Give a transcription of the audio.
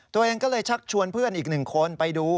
ตัวเองก็เลยชักชวนเพื่อนอีกหนึ่งคนไปดู